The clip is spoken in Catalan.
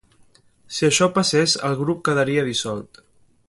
Si això passés, el grup quedaria dissolt.